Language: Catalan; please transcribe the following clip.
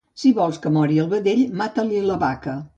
Si vols que mori el vedell, mata-li la vaca.